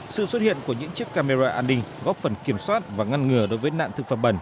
sự xuất hiện của những chiếc camera an ninh góp phần kiểm soát và ngăn ngừa đối với nạn thực phẩm bẩn